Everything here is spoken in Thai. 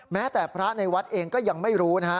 แม้แต่พระในวัดเองก็ยังไม่รู้นะฮะ